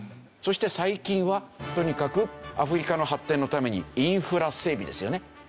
そして最近はとにかくアフリカの発展のためにインフラ整備ですよね。